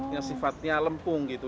yang sifatnya lempung gitu